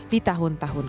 di tahun ini